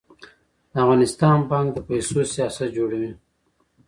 د افغانستان بانک د پیسو سیاست جوړوي